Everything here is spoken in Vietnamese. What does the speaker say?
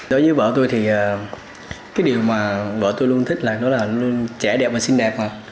đối với vợ tôi thì cái điều mà vợ tôi luôn thích là nó là luôn trẻ đẹp và xinh đẹp mà